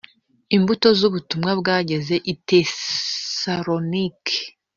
imbuto z ubutumwa bwageze i tesalonike